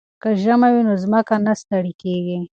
که ژمی وي نو ځمکه نه ستړې کیږي.